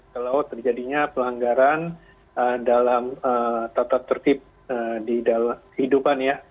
kalau terjadinya pelanggaran dalam tata tertib di dalam kehidupan ya